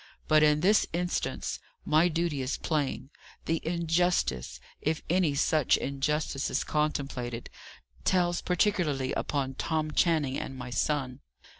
But in this instance, my duty is plain. The injustice if any such injustice is contemplated tells particularly upon Tom Channing and my son.